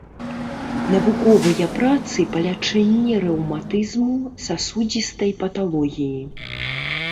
Навуковыя працы па лячэнні рэўматызму, сасудзістай паталогіі.